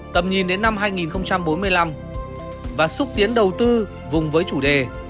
tầm nhìn đến năm hai nghìn bốn mươi năm và xúc tiến đầu tư vùng với chủ đề